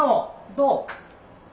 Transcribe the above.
どう？